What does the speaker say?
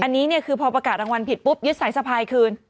อันนี้เนี่ยคือพอประกาศรางวัลผิดปุ๊บยึดสายสะพายคืน